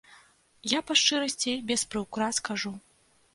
Я па шчырасці, без прыўкрас кажу.